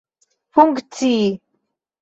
funkcii